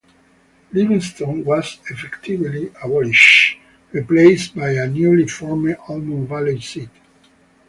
Livingston was effectively abolished, replaced by a newly formed Almond Valley seat.